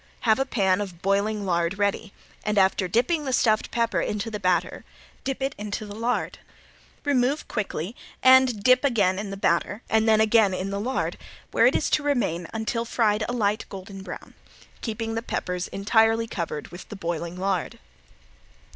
Have a pan of boiling lard ready and after dipping the stuffed pepper into the batter dip it into the lard. Remove quickly and dip again in the batter and then again in the lard where it is to remain until fried a light, golden brown, keeping the peppers entirely covered with the boiling lard.